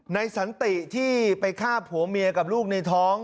สันติที่ไปฆ่าผัวเมียกับลูกในท้อง